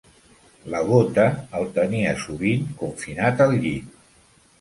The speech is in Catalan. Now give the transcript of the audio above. La gota el tenia sovint confinat al llit.